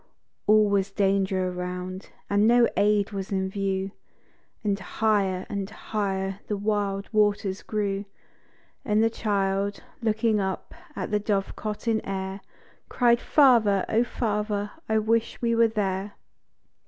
All was danger around, and no aid was in view, And higher and higher the wild waters grew, And the child â looking up at the dovecot in air, Cried, " Father â oh father, I wish we were there